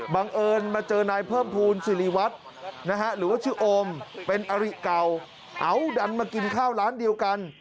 บังเอิญมาเจอนายเพิ่มภูมิสิริวัฒน์หรือว่าชื่อโอมเป็นอริเก่าเอาดันมากินข้าวร้านเดียวกัน